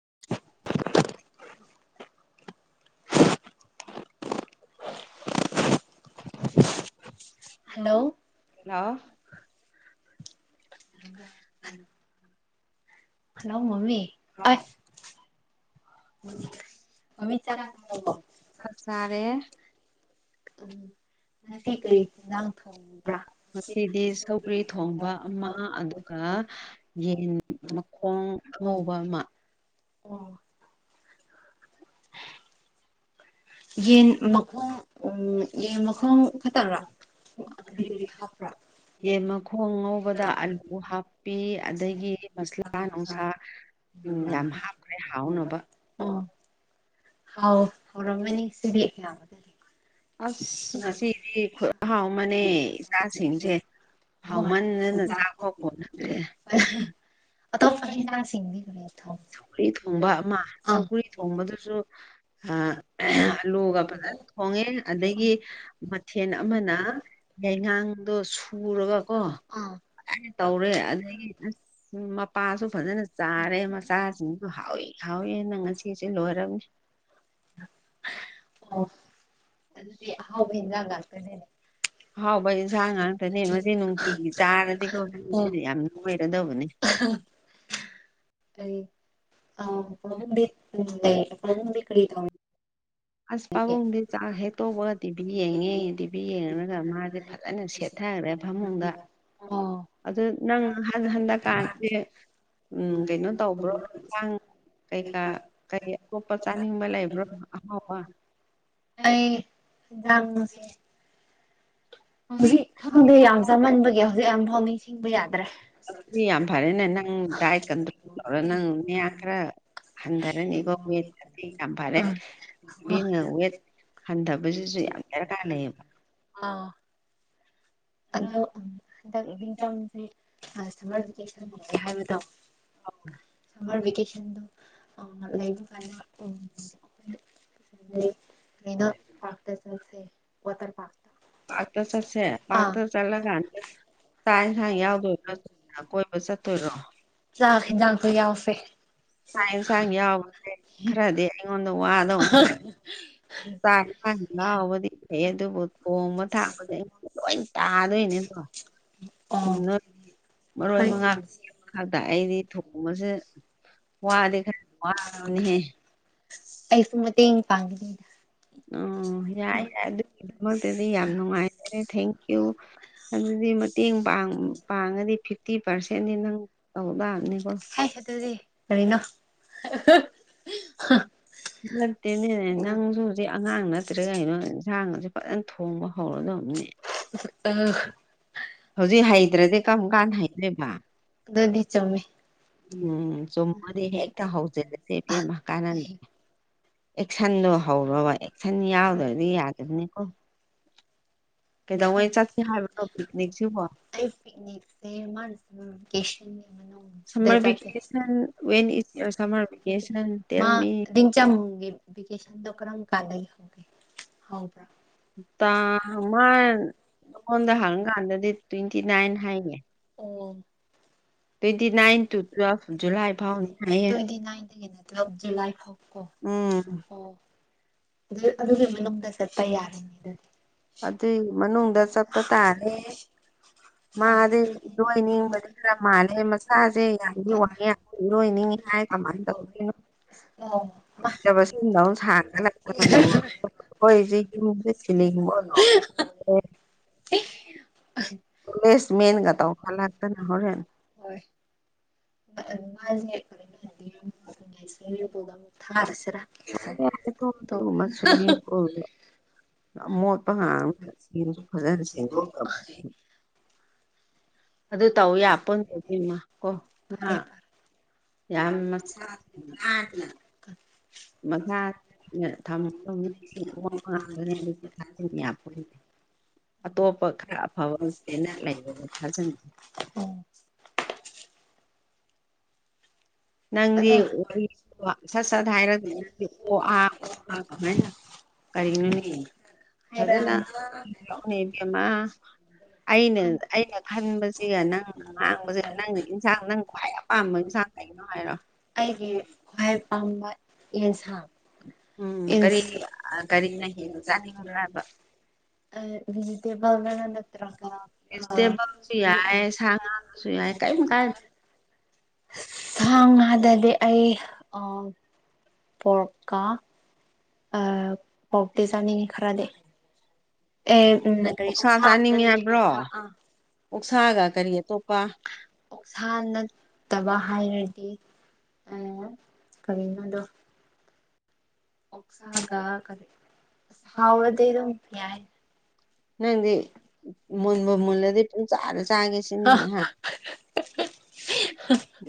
[inaudible] ꯍꯂ hello hello ꯎ ꯎꯝ hello ꯃꯃꯤ ꯃꯃꯤ ꯆꯥꯛ ꯆꯥꯔꯕꯣ ꯁꯥꯔꯦ ꯎꯝ ꯉꯁꯤ ꯀꯔꯤ ꯏꯟꯖꯥꯡ ꯊꯣꯡꯕ꯭ꯔꯥ ꯉꯁꯤꯗꯤ ꯁꯧꯒ꯭ꯔꯤ ꯊꯣꯡꯕ ꯑꯃ ꯑꯗꯨꯒ ꯌꯦꯟ ꯃꯈꯣꯡ ꯉꯧꯕ ꯑꯃ ꯑꯣ ꯌꯦꯟ ꯃꯈꯣꯡ ꯎ ꯌꯦꯟ ꯃꯈꯣꯡ ꯈꯛꯇꯕ꯭ꯔꯥ ꯑꯣ ꯑꯗꯨꯗꯤ ꯀꯔꯤ ꯍꯥꯞꯄ꯭ꯔꯥ ꯌꯦꯟ ꯃꯈꯣꯡ ꯉꯧꯕꯗ ꯑꯂꯨ ꯍꯥꯞꯄꯤ ꯑꯗꯒꯤ ꯃꯁꯂꯥ ꯅꯨꯡꯁꯥ ꯎꯝ ꯌꯥꯝ ꯍꯥꯎꯈ꯭ꯔꯦ ꯍꯥꯎꯅꯕ ꯑꯣ ꯍꯥꯎ ꯍꯔꯃꯦꯅꯤ ꯁꯤꯔꯤ ꯌꯥ ꯑꯁ ꯉꯁꯤꯗꯤ ꯍꯥꯎ ꯃꯅꯦ ꯏꯆꯥꯁꯤꯡꯁꯦ ꯍꯥꯎꯃꯟꯅꯅ ꯆꯥꯛꯄ ꯈꯣꯠꯅꯗ꯭ꯔꯦ ꯑ ꯐꯖꯥꯡꯁꯤꯡ ꯈ ꯁꯧꯒꯔꯤ ꯊꯣꯡꯕ ꯑꯃ ꯁꯧꯒꯔꯤ ꯊꯣꯡꯕꯗꯨꯁꯨ ꯍꯥꯥ ꯂ ꯊꯥꯦ ꯑꯗꯒꯤ ꯃꯊꯦꯜ ꯑꯃꯅ ꯌꯥꯉꯥꯡꯗꯣ ꯁꯨꯔꯒꯀꯣ ꯑꯥ ꯐꯥꯏꯅ ꯇꯧꯔꯦ ꯑꯗꯒꯤ ꯑꯁ ꯎ ꯃꯄꯥꯁꯨ ꯐꯖꯅ ꯆꯥꯔꯦ ꯃꯆꯥꯁꯤꯡꯁꯨ ꯍꯥꯎꯋꯦ ꯍꯥꯎꯋꯦ ꯅꯪ ꯉꯁꯤꯁꯦ ꯂꯣꯏꯔꯕꯅꯦ ꯑꯣ ꯑꯗꯨꯗꯤ ꯑꯕꯒꯥꯛ ꯀꯗꯅꯦ [inaudible] ꯍꯍꯥꯎꯕ ꯌꯦꯟꯁꯥꯡ ꯉꯥꯛꯇꯅꯦ ꯑꯃꯗꯤ ꯅꯨꯡꯇꯤꯒꯤ ꯆꯥꯔꯗꯤꯀꯣ ꯌꯥꯝ ꯑꯣꯏꯔꯗꯧꯕꯅꯦ ꯑꯔ [inaudible] ꯈ ꯊ [unintelligible] ꯑꯁ ꯄꯥꯕꯨꯡꯗꯤ ꯆꯥꯛ ꯍꯦꯛ ꯇꯣꯛꯄꯒ ꯇꯤꯚꯤ ꯌꯦꯡꯉꯦ ꯇꯤꯚꯤ ꯌꯦꯡꯉꯨꯔꯒ ꯃꯥꯁꯦ ꯐꯖꯅ ꯁꯦꯠꯊ ꯍꯥꯏꯈ꯭ꯔꯦ ꯐꯃꯨꯡꯗ ꯑꯗꯨ ꯅꯪ ꯍ ꯍꯟꯗꯛꯀꯥꯟꯁꯦ ꯎꯝ ꯀꯩꯅꯣ ꯇꯧꯕ꯭ꯔꯣꯥꯡ ꯀꯩꯀꯥ ꯀꯩ ꯑꯇꯣꯞꯄ ꯆꯥꯅꯤꯡꯕ ꯂꯩꯕ꯭ꯔꯣ ꯑꯍꯥꯎꯕ ꯑꯩ ꯥꯑꯦꯟꯍꯡ ꯁꯦ ꯍꯧꯖꯤꯛ ꯍꯧꯪꯗ ꯌꯥꯝ ꯆꯥꯃꯟꯕꯒꯤ ꯍꯧꯖꯤꯛ ꯌꯥꯝ ꯐꯥꯎ ꯅꯤꯡꯁꯤꯡꯕ ꯌꯥꯗ꯭ꯔꯦ ꯑꯗꯨꯗꯤ ꯌꯥꯝ ꯐꯔꯦꯅꯦ ꯅꯪ ꯗꯥꯏ ꯀꯗꯔ ꯅꯪ ꯃꯌꯥ ꯈꯔ ꯍꯟꯗꯔꯦꯅꯤꯒꯣꯋ ꯑꯥ ꯈꯝꯕꯔꯦꯋꯦꯠ ꯍꯕ ꯁꯤꯁꯨ ꯌꯥꯝ ꯌꯥꯝꯦꯔ ꯀꯥꯟꯅꯩꯌꯦꯕ ꯑꯥ ꯑꯗꯣ ꯍꯟꯗꯛ ꯆꯝꯁꯦ ꯁꯝꯃꯔ ꯚꯦꯀꯦꯁꯟꯦ ꯍꯥꯏꯕꯗꯣ ꯔꯦꯀꯦꯁꯟꯗꯨ ꯂꯩ ꯐꯥꯏꯅ ꯎ ꯃꯅ ꯄꯥꯥꯛꯇ ꯆꯁꯦ ꯋꯥꯇꯔ ꯄꯥꯥꯛꯇꯥ ꯑꯇ ꯆꯁꯦ ꯄꯥꯡꯗ ꯆꯜꯂꯒ ꯑꯗ ꯆꯥꯛ ꯌꯦꯟꯁꯥꯡ ꯌꯥꯎꯗꯣꯏ꯭ꯔ ꯀꯣꯏꯕ ꯆꯠꯇꯣꯏꯔꯣ ꯆꯥꯛ ꯌꯦꯟꯖꯥꯡꯁꯨ ꯌꯥꯎꯁꯦ ꯁꯟꯁꯥꯡ ꯌꯥꯎꯕꯁ ꯈꯔꯗꯤ ꯑꯩꯉꯣꯟꯗ ꯋꯥꯗꯧ ꯆꯥꯛꯥꯡ ꯂꯥꯎꯕꯗꯤ ꯐꯩ ꯑꯗꯨꯕꯨ ꯊꯣꯡꯕ ꯊꯥꯕꯗ ꯂꯣꯏ ꯇꯥꯗꯣꯏꯅꯦꯗꯣ ꯑꯣ ꯅ ꯃꯔꯣꯏ ꯍꯣꯏ ꯃꯉꯥꯗ ꯑꯩꯗꯤ ꯊꯣꯡꯕꯁꯦ ꯋꯥꯗꯤ ꯈꯔ ꯋꯥꯔꯕꯅꯤꯍꯦ ꯑꯩꯁꯨ ꯃꯇꯦꯡ ꯄꯥꯡꯒꯅꯤꯅ ꯑꯣ ꯌꯥꯏ ꯌꯥꯏ ꯑꯗꯨꯒꯤꯗꯃꯛꯇꯗꯤ ꯌꯥꯝ ꯅꯨꯡꯉꯥꯏꯖꯔꯦ ꯊꯦꯡ ꯀꯨ ꯑꯗꯨꯗꯤ ꯃꯇꯦꯡ ꯄꯥꯡ ꯄꯥꯡꯉꯗꯤ ꯐꯤꯐꯇꯤ ꯄꯥꯔꯁꯦꯟꯗꯤ ꯅꯪ ꯇꯧꯇꯥꯕꯅꯤꯀꯣ ꯍꯥꯏ ꯑꯗꯨ ꯑꯗꯨꯗꯤ ꯀꯔꯤꯅꯣ [unintelligible] ꯅꯠꯇꯦꯅꯦꯅꯦ ꯅꯪꯁꯨ ꯍꯧꯖꯤꯛ ꯑꯉꯥꯡ ꯅꯠꯇ꯭ꯔꯦ ꯀꯩꯅꯣꯟꯁꯥꯡꯁꯨ ꯐꯖꯅ ꯊꯣꯡꯕ ꯍꯧꯔꯗꯕꯅꯦ ꯑ ꯍꯧꯖꯤꯛ ꯍꯩꯗ꯭ꯔꯗꯤ ꯀꯔꯝ ꯀꯥꯟꯅ ꯍꯩꯗꯦꯕ ꯑꯗꯨꯗꯤ ꯆꯨꯝꯃꯦ ꯎꯝ ꯆꯨꯝꯃꯣꯗꯤ ꯍꯦꯛꯇ ꯍꯧꯖꯜꯂꯁꯦꯕꯦꯝ ꯀꯥꯟꯅꯅꯤ ꯑꯦꯛꯁꯟꯗꯣ ꯍꯧꯔꯕ ꯑꯦꯛꯁꯟ ꯌꯥꯎꯗ꯭ꯔꯗꯤ ꯌꯥꯗꯕꯅꯤꯀꯣ ꯀꯩꯗꯧꯉꯏ ꯆꯠꯁꯤꯦ ꯍꯥꯏꯕꯅꯣ ꯄꯤꯛꯅꯤꯛꯁꯤꯕꯣ ꯑꯩ ꯄꯤꯛꯅꯤꯛꯁꯦ ꯃꯥ ꯀꯦꯁ ꯃꯅ ꯆ summer vacation when is your summer vacation [unintelligible] ꯇꯦꯜ ꯃ ꯃꯤ ꯗꯥꯡꯆꯝꯒꯤ ꯚ‌ꯦꯀ‌ꯦꯁꯟꯗ‌ꯣ ꯀꯔꯝꯀꯥꯟꯗꯒꯤ ꯇꯥꯡ ꯃꯥ ꯑꯩꯉꯣꯟꯗ ꯍꯪꯀꯥꯟꯗꯗꯤ ꯇ꯭ꯋꯦꯟꯇꯤ ꯅꯥꯏꯟ ꯍꯥꯏꯅ‌ꯦ ꯑꯣ ꯖꯨꯂꯥꯏ ꯐꯥꯎꯅꯤ ꯍꯥꯏꯌꯦ ꯇ꯭ꯋꯦꯟꯇꯤ ꯅꯥꯏꯟ ꯗꯒꯤꯅ ꯇ꯭ꯋ‌ꯦꯜꯐ ꯖꯨꯂꯥꯏ ꯐꯥꯎ ꯀꯣ ꯎꯝ ꯑꯣ ꯑꯗꯨ ꯑꯗꯨꯒꯤ ꯃꯅꯨꯡꯗ ꯆꯠꯄ ꯌꯥꯔꯤꯅꯤ ꯑꯗꯨꯗꯤ ꯑꯗꯨꯏ ꯃꯅꯨꯡꯗ ꯆꯠꯄ ꯇꯥꯔꯦ ꯃꯥꯗꯤ ꯑꯗꯨꯗꯤ ꯏꯔꯣꯏꯅꯤꯡꯕꯗꯤ ꯈꯔ ꯃꯥꯜꯂꯦ ꯃꯆꯥꯁꯦ ꯌꯥꯝꯗꯤ ꯋꯥꯉꯦ ꯏꯔꯣꯏꯅꯤꯡꯉ ꯍꯥꯏ ꯀꯃꯥꯏ ꯇꯧꯅꯣ ꯑꯣ ꯍꯇꯕꯁꯤꯡꯗ ꯁꯥꯡꯒ ꯍꯣꯏꯁꯤ [unintelligible] [unintelligible] ꯂꯦꯁ ꯃꯒ ꯇ ꯂꯥꯛꯇꯅ ꯍꯣꯔꯦꯟ ꯃꯥꯖꯅ ꯍꯥꯏ ꯁ ꯇꯗ ꯃ ꯊꯁꯔ ꯑꯗꯨꯝ [unintelligible] ꯃꯣꯠꯄ ꯍ ꯐꯖ ꯑꯗꯨ ꯇꯧ ꯌꯥ ꯄꯟ ꯇꯧꯗꯃ ꯀꯣ ꯌꯥꯝ ꯌꯥꯁ ꯃꯁꯥꯅ ꯃꯁꯥ ꯅ ꯊꯝꯒꯗꯕꯅꯤ ꯑꯃꯣꯠꯄ ꯉꯥꯛꯇꯅꯦ ꯑꯗꯨ ꯊꯥꯖꯤꯟ ꯌꯥꯄꯣꯟꯇꯦ ꯑꯇꯣꯞꯄ ꯈꯔ ꯑꯐꯕ ꯆꯦꯅꯦꯜ ꯂꯩꯌꯦꯕ ꯊꯥꯖꯟꯁꯦ [unintelligible] [unintelligible] ꯅꯪꯗꯤ ꯋꯥꯔꯤ ꯋꯥ ꯁꯠ ꯁꯠ ꯍꯥꯏꯔꯒ [unintelligible] ꯑꯣ ꯑꯥ [unintelligible] ꯑꯗꯨꯅ ꯏꯃ ꯑꯩꯅ ꯑꯩꯅ ꯈꯟꯕꯁꯤꯒ ꯅꯪ ꯉꯥꯡꯕꯁꯤ ꯅꯪꯅ ꯏꯟꯁꯥꯡ ꯅꯪ ꯈ꯭ꯋꯥꯏ ꯑꯄꯥꯝꯕ ꯏꯟꯁꯥꯡ ꯂꯩ ꯑꯩꯒꯤ ꯈ꯭ꯋꯥꯏ ꯄꯥꯝꯕ ꯌꯦꯁ ꯍ ꯎꯝ ꯀꯔꯤ ꯌꯦꯁ ꯀꯔꯤ ꯅꯪ ꯆꯥꯅꯤꯡꯕ ꯍꯥꯏꯕ ꯑ ꯕꯤꯖꯤꯇꯦꯕꯜ ꯅꯠꯇ꯭ꯔꯥꯒ [unintelligible] ꯚꯦꯖꯤꯇꯦꯕꯜꯁꯨ ꯌꯥꯏ ꯁꯥ ꯉꯥꯁꯨ ꯌꯥꯏ ꯀꯔꯤꯝ ꯀꯥꯏꯗꯦ [unintelligible] ꯊꯥꯡ ꯉꯥꯗꯗꯤ ꯑꯩ ꯄꯣꯔꯛꯀ ꯑ ꯄꯥꯎꯇꯦ ꯆꯥꯅꯤꯡꯉ ꯈꯔꯗꯤ ꯑꯦ ꯑꯣꯛꯁꯥ ꯀ ꯆꯥꯅꯤꯡꯉꯦ ꯍꯥꯏꯕ꯭ꯔꯣ ꯑꯣꯛꯁꯥꯒ ꯀꯔꯤ ꯑꯇꯣꯞꯄ ꯑꯣꯛꯁꯥ ꯅꯠꯇꯕ ꯍꯥꯏꯔꯗꯤ ꯑ ꯀꯔꯤꯅꯣꯗꯣ ꯑꯣꯒꯔꯗ ꯀ ꯅꯪꯗꯤ ꯃꯨꯟꯕ ꯃꯨꯜꯂꯗꯤ ꯄꯨꯡ ꯆꯥꯔ ꯆꯥꯒꯦꯁꯤꯅꯦ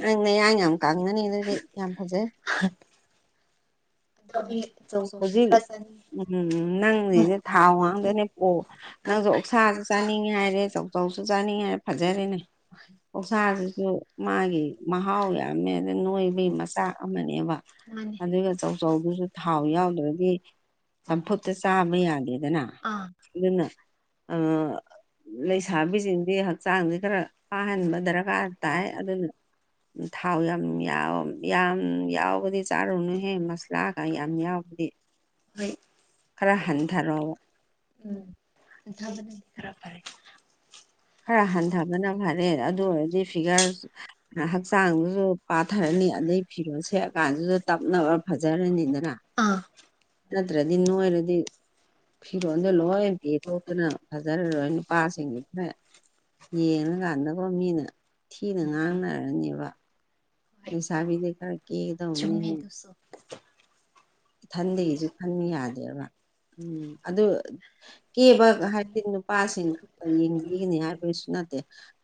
ꯅꯪ ꯂꯩ ꯑ ꯌꯥꯝ ꯀꯪꯉꯅꯤ ꯑꯗꯨꯗꯤ ꯌꯥꯝ ꯐꯖꯩ ꯑꯗꯣ ꯑꯩ ꯑꯆꯧ ꯑꯆꯧꯕꯗꯤ ꯍꯧꯖꯤꯛ ꯈꯔ ꯆꯥꯅꯤꯡꯉꯦ ꯎꯝ ꯅꯪ ꯍꯧꯁꯦ ꯊꯥꯎ ꯉꯥꯡꯗꯣꯏꯅꯦ ꯄꯣꯛ ꯅꯪꯁꯨ ꯑꯣꯛꯁꯥꯁꯨ ꯆꯥꯅꯤꯡꯉꯤ ꯍꯥꯏꯔꯦ ꯆꯧꯆꯧꯁꯨ ꯆꯥꯅꯤꯡꯉꯤ ꯍꯥꯏꯔꯦ ꯐꯖꯔꯦꯅꯦ ꯄꯧꯁꯥꯁꯤꯁꯨ ꯃꯥꯒꯤ ꯃꯍꯥꯎ ꯌꯥꯝꯃꯦ ꯑꯗ ꯅꯣꯏꯕꯒꯤ ꯃꯆꯥꯛ ꯑꯃꯅꯦꯕ ꯃꯥꯅꯦ ꯑꯗꯨꯒ ꯆꯧꯆꯧꯗꯨꯁꯨ ꯊꯥꯎ ꯌꯥꯎꯗ꯭ꯔꯗꯤ ꯆꯝꯐꯨꯇ ꯆꯥꯃ ꯌꯥꯗꯦꯗꯅ ꯑꯥ ꯑꯗꯨꯅ ꯑ ꯂꯩꯁꯥꯕꯤꯁꯤꯡꯗꯤ ꯍꯛꯆꯥꯡꯁꯤ ꯈꯔ ꯐꯥꯍꯟꯕ ꯗꯔꯀꯥꯔ ꯇꯥꯏ ꯑꯗꯨꯅ ꯊꯥꯎ ꯌꯥꯝ ꯌꯥ ꯌꯥꯝ ꯌꯥꯎꯕꯗꯤ ꯆꯥꯔꯨꯅꯨꯍꯦ ꯃꯁ ꯂꯥꯛꯑꯒ ꯌꯥꯝ ꯌꯥꯎꯕꯗꯤ ꯍꯣꯏ ꯈꯔ ꯍꯟꯊꯔꯛꯕ ꯎꯝ ꯑ ꯊꯕꯗꯤ ꯈꯔ ꯐꯔꯦ ꯈꯔ ꯍꯟꯊꯕꯅ ꯐꯔꯦ ꯑꯗꯨ ꯑꯣꯏꯔꯗꯤ ꯐꯤꯒꯔ ꯍꯛꯆꯥꯡꯗꯨꯁꯨ ꯄꯥꯊꯔꯅꯤ ꯑꯗꯩ ꯐꯤꯔꯣꯜ ꯁꯦꯠꯑ ꯀꯥꯟꯗꯨꯗ ꯇꯞꯅꯕ ꯐꯖꯔꯅꯤꯗꯅ ꯑꯥ ꯅꯠꯇ꯭ꯔꯗꯤ ꯅꯣꯏꯔꯗꯤ ꯐꯤꯔꯣꯟꯗꯣ ꯂꯣꯏ ꯄꯦꯊꯣꯛꯇꯅ ꯐꯖꯔꯔꯣꯏꯅꯨ ꯄꯁꯤꯦ ꯌꯦꯡꯉꯀꯥꯟꯗꯀ ꯃꯤꯅ ꯊꯤꯅ ꯉꯥꯡꯅꯔꯅꯦꯕ ꯍꯣꯏ ꯄꯩꯁꯥꯕꯤ ꯗꯀꯥ ꯀꯗ ꯎꯅꯤ ꯆꯨꯝꯃꯦ ꯍꯥꯏ ꯑꯗꯨꯁꯨ ꯊꯟꯗꯁꯨ ꯈꯟꯕ ꯌꯥꯗꯦꯕ ꯎꯝ ꯑꯗꯨ ꯀꯦꯕ ꯍꯥꯏꯕꯗꯤ ꯅꯨꯄꯥꯁꯤꯡ ꯌꯦꯡꯕꯤꯒꯅꯤ ꯍꯥꯏꯕꯒꯤꯁꯨ ꯅꯠꯇꯦ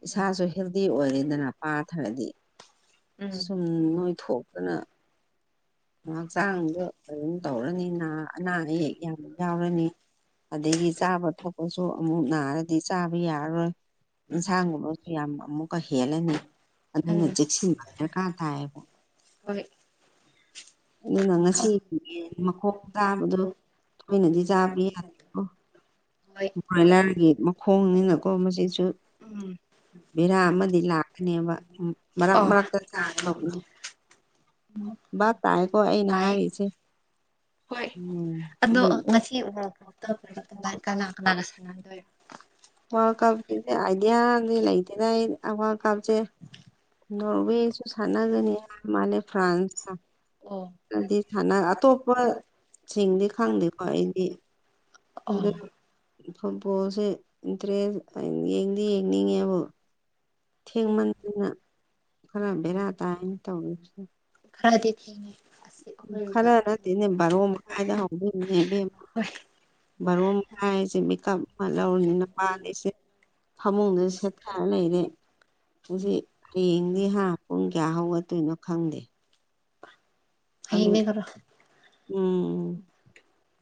ꯏꯁꯥꯁꯨ ꯍꯦꯜꯗꯤ ꯑꯣꯏꯔꯦꯗꯅ ꯄꯥꯊꯔꯗꯤ [unintelligible] ꯁꯨꯝ ꯅꯣꯏꯊꯣꯛꯇꯅ ꯍꯛꯆꯥꯡꯗ ꯑꯗꯨꯝ ꯇꯧꯔꯅꯤ ꯑꯅꯥ ꯑꯌꯦꯛ ꯌꯥꯝ ꯌꯥꯎꯔꯅꯤ ꯑꯗꯒꯤ ꯆꯥꯕ ꯊꯄꯁꯨ ꯑꯃꯨꯛ ꯅꯥꯔꯗꯤ ꯆꯥꯕ ꯌꯥꯔꯔꯣꯏ ꯏꯟꯁꯥꯡꯒꯨꯝꯕꯁꯨ ꯌꯥꯝ ꯑꯃꯨꯛꯀ ꯍꯦꯜꯂꯅꯤ ꯑꯗꯨꯅ ꯎꯝ ꯆꯦꯛꯁꯤꯟ ꯗꯔꯀꯥꯔ ꯊꯥꯏꯌꯦꯕ ꯍꯣꯏ ꯑꯗꯨꯅ ꯉꯁꯤ ꯃꯈꯣꯡ ꯇꯥꯕꯗꯨꯣ ꯊꯅꯗꯤ ꯆꯥꯕ ꯌꯥꯣ ꯍꯣꯏ ꯃꯣꯏꯂꯥꯔꯒꯤ ꯃꯈꯣꯡꯅꯤꯅꯀꯣ ꯃꯁꯤꯁꯨ ꯎꯝ ꯕꯦꯔꯥ ꯑꯃꯗꯤ ꯂꯥꯛꯀꯅꯦꯕ ꯃꯔꯛ ꯑꯣ ꯃꯔꯛꯇ ꯊꯥ ꯇꯥꯏꯀꯣ ꯑꯩꯅ ꯍꯥꯏꯔꯤꯁꯦ ꯍꯣꯏ ꯎꯝ ꯑꯗꯣ ꯑꯗꯨ ꯉꯁꯤ ꯇ ꯀꯅꯥ ꯀꯅꯥꯒ ꯁꯥꯟꯅꯗꯣꯏꯔꯣ ꯋꯥꯔꯜ ꯀꯞꯀꯤꯗꯤ ꯑꯥꯏꯗꯤꯌꯥꯗꯤ ꯂꯩꯇꯦꯗ ꯑꯩ ꯋꯥꯔꯜ ꯀꯞꯁꯦ [unintelligible] ꯅꯣꯔꯋꯦꯁꯨ ꯁꯅꯖꯅꯤ ꯃꯥꯂꯦ ꯐ꯭ꯔꯥꯟꯁ ꯑꯣ ꯑꯗꯨꯗꯤ ꯊꯅ ꯑꯇꯣꯞ ꯁꯤꯡꯗꯤ ꯈꯪꯗꯦꯀꯣ ꯑꯩꯗꯤ ꯑꯣ ꯁꯝ ꯄꯣꯠꯁꯦ ꯏꯟꯇꯔꯦꯁ ꯌꯦꯡꯗꯤ ꯌꯦꯡꯅꯤꯡꯉꯦꯕ ꯊꯦꯡꯃꯟꯗꯅ ꯈꯔ ꯕꯦꯔꯥ ꯇꯥꯏꯅ ꯇꯧꯁꯦ ꯈꯔꯗꯤ ꯊꯦꯡꯦ ꯈꯔ ꯅꯠꯇꯦꯅꯦ ꯕꯥꯔꯣ ꯃꯈꯥꯏꯗ ꯍꯧꯗꯅꯦꯦꯝ ꯍꯣꯏ ꯕꯥꯔꯣ ꯍꯥꯏꯥꯏꯁꯦ ꯃꯤꯀꯞ ꯑꯃ ꯂꯧꯔꯅꯤꯅ ꯄꯥꯜꯂꯤꯁꯦ ꯐꯃꯨꯡꯗ ꯁꯦꯠꯊꯔ ꯂꯩꯔꯦ ꯍꯧ ꯍꯌꯦꯡꯗꯤ ꯍꯥ ꯄꯨꯡ ꯀꯌꯥ ꯍꯧꯒꯠꯇꯣꯏꯅꯣ ꯈꯪꯗꯦ ꯑꯗꯨ ꯑꯩꯅꯦ ꯈꯔꯣ ꯎꯝ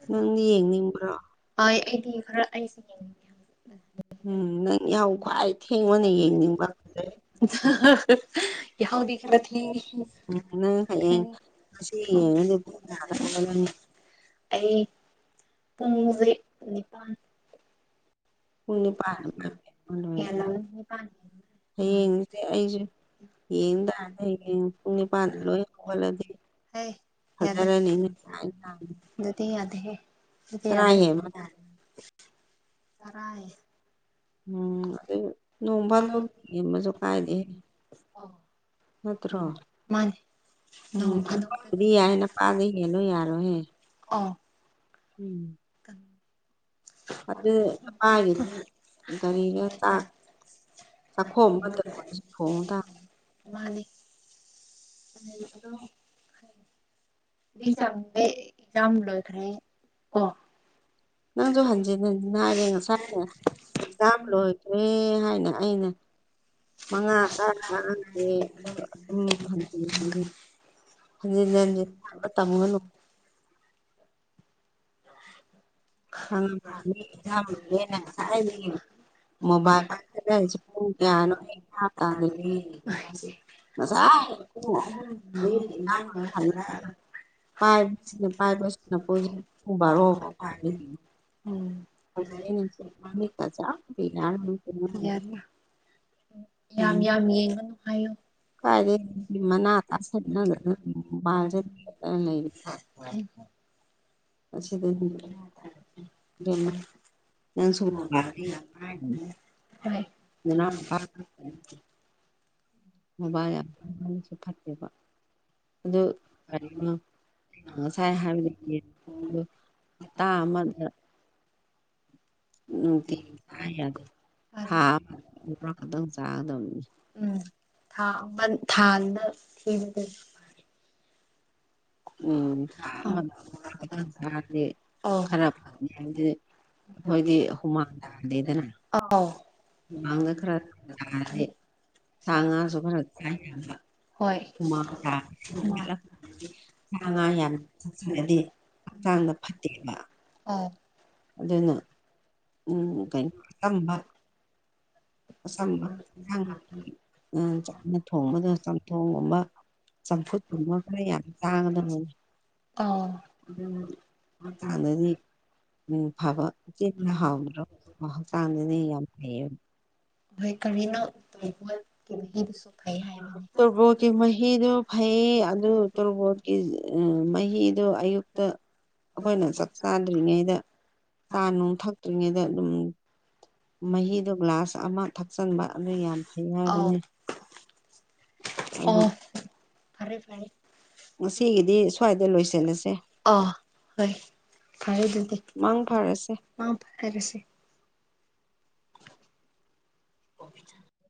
ꯅꯪ ꯌꯦꯡꯅꯤꯡꯕ꯭ꯔꯣ ꯍꯣꯏ ꯑꯩꯗꯤ ꯈꯔ ꯑꯩꯁꯦ ꯌꯦꯡꯅꯤꯡꯉꯦ ꯎꯝ ꯅꯪ ꯌꯥꯎ ꯀꯍ ꯈꯅꯊꯤ ꯀꯤꯅꯤ ꯑꯩ ꯄꯨꯡꯁꯦ ꯑꯣ ꯀ ꯑꯩꯁꯦ ꯑꯩꯁꯦ ꯌꯦ ꯇꯌꯦ ꯄꯨꯡ ꯅꯤꯄꯥꯟꯗ ꯂꯣꯏ ꯍꯧꯒꯠꯂꯗꯤ ꯍ ꯌꯥꯗ ꯐꯖꯔꯅꯤꯅꯦ ꯀꯥꯏꯅ ꯑꯗꯨꯗꯤ ꯌꯥ ꯇ ꯇꯔꯥ ꯍꯦꯟꯕ ꯇꯔꯥꯏ ꯎꯝ ꯑꯗꯨ ꯅꯣꯡ ꯐꯗ ꯑꯃꯁꯁꯨ ꯀꯥꯏꯗꯦꯦ ꯑ ꯃꯥꯅꯦ ꯎꯝ ꯅꯣꯡ ꯐꯥꯗꯣꯛ ꯑꯗꯨꯗꯤ ꯌꯥꯏꯦꯅꯄꯥꯥꯗꯩ ꯍꯦꯜꯂꯨ ꯌꯥꯔꯣꯍꯦ ꯑꯣ ꯎꯝ ꯑꯗꯨ ꯃꯥꯒꯤ ꯒꯥꯔꯤꯒ ꯆꯥꯛ ꯆꯥꯛꯈꯣꯝ ꯑꯃꯇ ꯑꯣꯏꯔꯁꯨ ꯃꯥꯅꯤ ꯊꯣꯡ ꯇꯥꯕ ꯎꯝ ꯑꯗꯨ ꯃꯤ ꯆꯝꯃꯦ ꯏꯖꯝ ꯂꯣꯏꯈ꯭ꯔꯦ ꯀꯣ ꯅꯪꯁꯨ ꯍꯟꯖꯤꯟ ꯍꯟꯖꯤꯟ ꯍꯥꯏꯔꯦ ꯉꯁꯥꯏꯅꯦ ꯑꯦꯛꯖꯥꯝ ꯂꯣꯏꯗ꯭ꯔꯦ ꯍꯥꯏꯅ ꯑꯩꯅ ꯃꯉꯥ ꯇꯔꯦ ꯇꯃꯒꯅ ꯈꯪꯉꯕ ꯁꯔ ꯃꯣꯕꯥꯏꯜ ꯄꯥꯏꯈꯠꯂꯛꯏꯁꯤ ꯄꯨꯡ ꯃꯕꯥ ꯀꯌꯥꯅꯣ ꯑꯩ ꯚꯥꯞ ꯇꯥꯗꯦ ꯇ ꯉꯁꯥꯏ ꯄꯨꯡ ꯏ ꯄꯥꯏ ꯄꯥꯏꯕꯁꯅ ꯄ ꯎꯕꯥꯔ ꯎꯝ ꯌꯥꯝ ꯌꯥꯝ ꯌꯦꯡꯉꯅꯨ ꯍꯥꯏꯌꯨ ꯃ ꯃꯅꯥ ꯇꯥꯁꯟꯅꯗꯅ ꯃꯣꯕꯥꯏꯜꯁꯦ ꯃꯦꯠꯂ ꯂꯩꯔꯦ ꯑ ꯎ ꯑꯁꯤꯗꯗꯤ ꯏꯕꯦꯝꯃ ꯑ ꯅꯪꯁꯨ ꯁ ꯃꯣꯕꯥ ꯌꯥꯝꯁꯨ ꯐꯠꯇꯦꯕ ꯑꯗꯨ ꯀꯅ ꯠꯇꯦ ꯎꯝ ꯑꯗ ꯍꯥ ꯆ [unintelligible] ꯎꯝ ꯑꯣ [unintelligible] ꯑꯩꯈꯣꯏꯗꯤ ꯍꯨꯃꯥꯡꯗꯦꯗꯅ ꯑꯥꯎ ꯃꯥꯡꯗ ꯈꯔ ꯇꯥꯔꯗꯤ ꯁꯥ ꯉꯥꯁꯨ ꯈꯔꯕ ꯍꯣꯏ [unintelligible] ꯁꯥ ꯉꯥ ꯌꯥꯝꯗꯗꯤ ꯍꯛꯆꯥꯡꯗ ꯐꯠꯇꯦꯕ ꯑꯣ ꯑꯗꯨꯅ ꯎꯝ ꯀ ꯇꯝꯕ ꯑꯆꯝꯕꯥꯡ [unintelligible] ꯊꯣꯡꯕꯗꯣ ꯆꯝꯊꯣꯡꯒꯨꯝꯕ ꯆꯝꯐꯨꯠꯀꯨꯝꯕ ꯈꯔ ꯌꯥꯝ ꯇꯥꯡꯉꯗꯅ ꯃꯣꯏ ꯑꯥ ꯍꯛꯆꯥꯡꯗꯗꯤ [unintelligible] ꯎꯝ ꯐꯕ [unintelligible] ꯍꯣꯏ ꯀꯔꯤꯅꯣ ꯇꯕꯣꯠꯀꯤ ꯃꯍꯤꯗꯨꯁꯨ ꯐꯩ ꯍꯥꯏꯕꯅꯦ ꯇꯣꯔꯕꯣꯠꯀꯤ ꯃꯍꯤꯗꯨ ꯐꯩꯌꯦ ꯑꯗꯨ ꯇꯣꯔꯕꯣꯠꯀꯤ ꯃꯍꯤꯗꯣ ꯑꯌꯨꯛꯇ ꯑꯩꯈꯣꯏꯅ ꯆꯥꯛ ꯆꯥꯗ꯭ꯔꯤꯉꯩꯗ ꯆꯥ ꯅꯨꯡ ꯊꯛꯇ꯭ꯔꯤꯉꯩꯗ ꯑꯗꯨꯝ ꯃꯍꯤꯗꯣ ꯒ꯭ꯂꯥꯁ ꯑꯃ ꯊꯛꯆꯟꯕ ꯑꯗꯨ ꯌꯥꯝ ꯐꯩ ꯑꯥꯎ ꯍꯥꯏꯕꯅꯤ ꯑꯗꯨ ꯑꯣ ꯐꯔꯦ- ꯐꯔꯦ ꯉꯁꯤꯒꯤꯗꯤ ꯁ꯭ꯋꯥꯏꯗ ꯂꯣꯏꯁꯤꯜꯂꯁꯦ ꯑ ꯍꯣꯏ꯫ ꯐꯔꯦ ꯑꯗꯨꯗꯤ ꯃꯪ ꯐꯔꯁꯦ ꯃꯪ ꯐꯔꯁꯦ꯫ [unintelligible]